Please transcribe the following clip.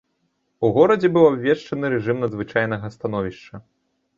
У горадзе быў абвешчаны рэжым надзвычайнага становішча.